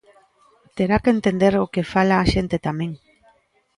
Terá que entender o que fala a xente tamén.